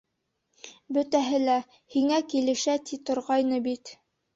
Бөтәһе лә, һиңә килешә, ти торғайны бит.